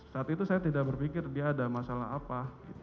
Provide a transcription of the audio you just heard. saat itu saya tidak berpikir dia ada masalah apa